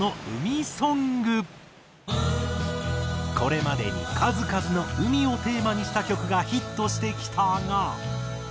これまでに数々の海をテーマにした曲がヒットしてきたが。